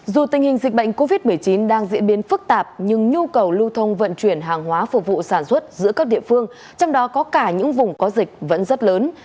dù tình hình dịch bệnh covid một mươi chín đang diễn biến phức tạp nhưng nhu cầu lưu thông vận chuyển hàng hóa phục vụ sản xuất giữa các địa phương trong đó có cả những vùng có dịch vẫn rất lớn